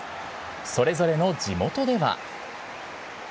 それぞれの地元では。